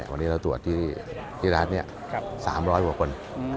วันนี้เราตรวจที่รัฐ๓๐๐กว่าคน